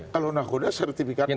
kalau nahuda sertifikatnya gak